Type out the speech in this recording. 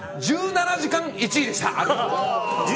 １７時間、１位でした。